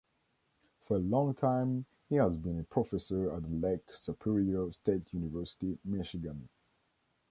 For a long time he has been a professor at the Lake Superior State University, Michigan.